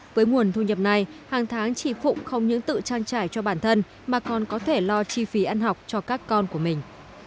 với nguồn thu nhập này hàng tháng chị phụng không những tự trang trải cho bản thân mà còn có thể lo chi phí ăn học cho các con của mình